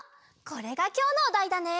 これがきょうのおだいだね！